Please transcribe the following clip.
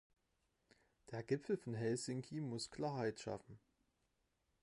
Der Gipfel von Helsinki muss Klarheit schaffen.